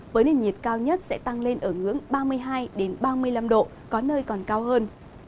với nền nhiệt cao nhất sẽ tăng lên ở ngưỡng ba mươi hai ba mươi năm độ có nơi còn cao hơn